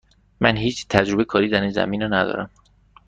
من هیچ تجربه کاری در این زمینه ندارم.